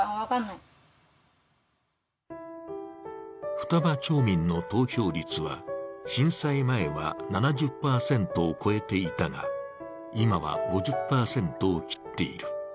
双葉町民の投票率は震災前は７０％を超えていたが今は５０％を切っている。